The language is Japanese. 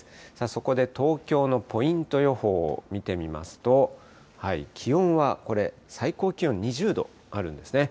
そこで東京のポイント予報を見てみますと、気温はこれ、最高気温２０度あるんですね。